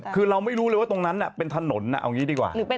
คือเราไม่รู้เลยว่าตรงนั้นเป็นถนนเอาอย่างนี้ดีกว่า